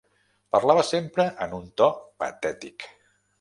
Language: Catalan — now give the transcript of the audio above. Parlava sempre en un to patètic.